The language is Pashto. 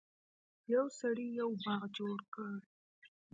یو سړي یو باغ جوړ کړ.